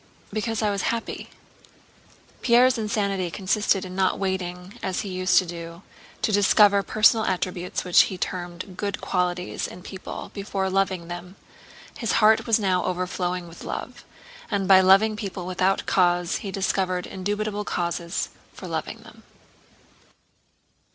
because I was happy." Pierre's insanity consisted in not waiting, as he used to do, to discover personal attributes which he termed "good qualities" in people before loving them; his heart was now overflowing with love, and by loving people without cause he discovered indubitable causes for loving them.